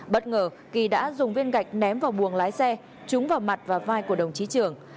bất ngờ kỳ đã dùng viên gạch ném vào buồng lái xe trúng vào mặt và vai của đồng chí trưởng